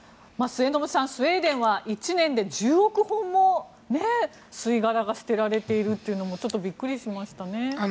末延さん、スウェーデンは１年で１０億本も吸い殻が捨てられているというのもちょっとびっくりしましたね。